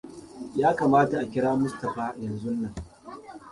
Ya kamata a kira Mustapha yanzun nan.